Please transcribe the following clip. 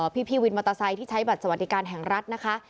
พี่วินมอเตอร์ไซค์ที่ใช้บัตรสวัสดิการแห่งรัฐนะคะ